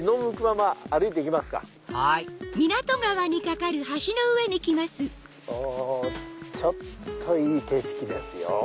はいおちょっといい景色ですよ。